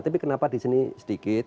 tapi kenapa di sini sedikit